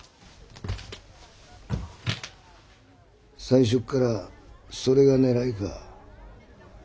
最初からそれが狙いか？